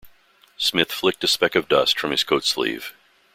Smith flicked a speck of dust from his coat sleeve.